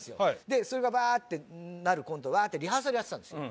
でそれがバーッてなるコントワーッてリハーサルやってたんですよ